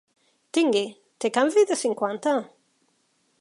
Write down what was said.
Tingui, té canvi de cinquanta?